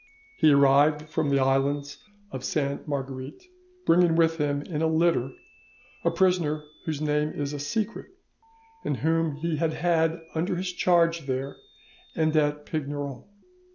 He arrived from the islands of Sainte Marguerite, bringing with him in a litter a prisoner whose name is a secret, and whom he had had under his charge there, and at Pignerol.